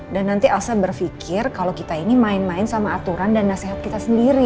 dan nanti elsa berpikir kalau kita ini main main sama aturan dan nasihat kita sendiri